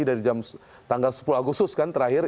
dari jam tanggal sepuluh agustus kan terakhir